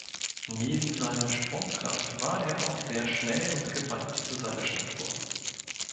Neben seiner Sprungkraft war er auch sehr schnell und gewandt für seine Statur.